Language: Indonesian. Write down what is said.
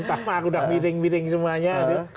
tama udah miring miring semuanya